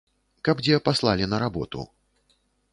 Каб дзе паслалі на работу.